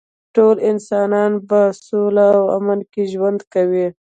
ټول انسانان به په سوله او امن کې ژوند کوي